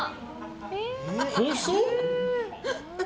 細っ！